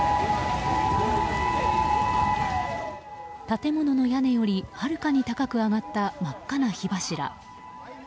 建物の屋根よりはるかに高く上がった真っ赤な火柱。